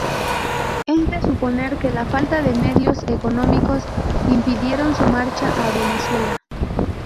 Es de suponer que la falta de medios económicos impidieron su marcha a Venezuela.